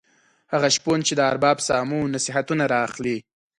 هغه شپون چې د ارباب سامو نصیحتونه را اخلي.